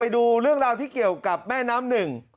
ดูเรื่องราวที่เกี่ยวกับแม่น้ำหนึ่ง